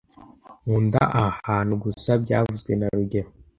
Nkunda aha hantu gusa byavuzwe na rugero